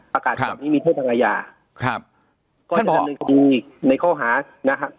ประกาศจากนี้มีโทษทางอาญาครับท่านพออีกในข้อหานะครับ